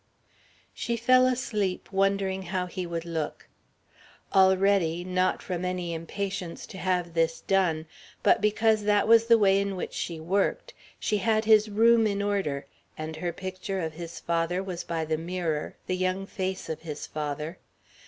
She fell asleep wondering how he would look. Already, not from any impatience to have this done, but because that was the way in which she worked, she had his room in order; and her picture of his father was by the mirror, the young face of his father.